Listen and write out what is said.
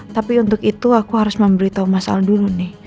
tapi untuk itu aku harus memberitahu masalah dulu nih